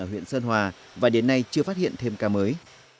ở huyện sơn hòa và đến nay chưa phát hiện thêm ca mới